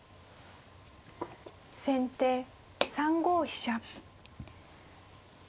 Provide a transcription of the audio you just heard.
先手３五飛車。